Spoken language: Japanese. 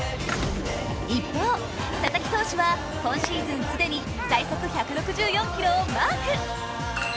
一方佐々木投手は今シーズンすでに最速１６４キロをマーク。